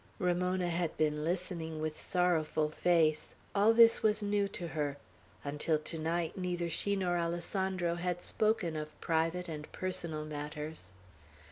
Ramona had been listening with sorrowful face. All this was new to her. Until to night, neither she nor Alessandro had spoken of private and personal matters.